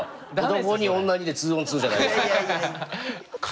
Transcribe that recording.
男２女２で２ｏｎ２じゃないですか。